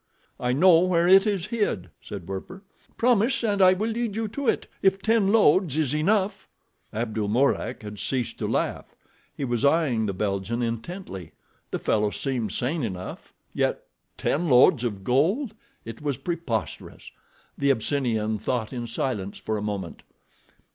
"I know where it is hid," said Werper. "Promise, and I will lead you to it—if ten loads is enough?" Abdul Mourak had ceased to laugh. He was eyeing the Belgian intently. The fellow seemed sane enough—yet ten loads of gold! It was preposterous. The Abyssinian thought in silence for a moment.